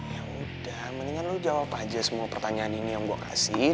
ya udah mendingan lu jawab aja semua pertanyaan ini yang gue kasih